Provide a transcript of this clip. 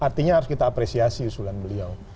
artinya harus kita apresiasi usulan beliau